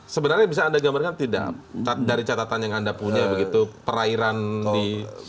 sebenarnya bisa anda gambarkan tidak dari catatan yang anda punya begitu perairan di